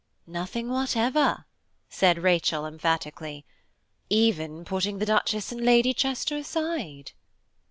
"Nothing whatever," said Rachel emphatically, "even putting the Duchess and Lady Chester aside."